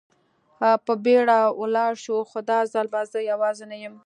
په بېړه ولاړ شو، خو دا ځل به زه یوازې نه یم.